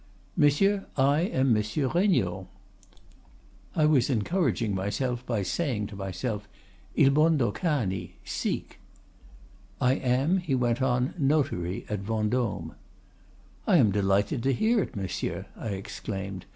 —Monsieur, I am Monsieur Regnault.' "I was encouraging myself by saying to myself, 'Seek!' "'I am,' he went on, 'notary at Vendôme.' "'I am delighted to hear it, monsieur,' I exclaimed.